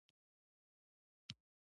آکسفام وايي میلیاردرانو شتمني زیاته ده.